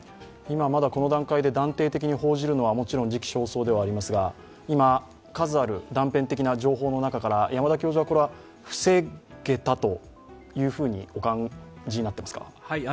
この段階で断定的に報じるのはもちろん時期尚早ではありますが、数ある断片的な情報の中から山田教授がこれは防げたとお感じになってますか。